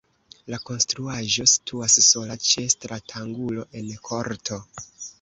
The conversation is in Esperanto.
La konstruaĵo situas sola ĉe stratangulo en korto.